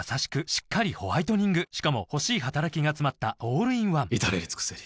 しっかりホワイトニングしかも欲しい働きがつまったオールインワン至れり尽せり